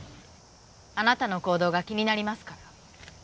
あなたの行動が気になりますから。